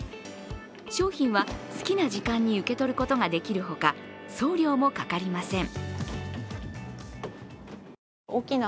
商品は好きな時間に受け取ることができるほか、送料もかかりません。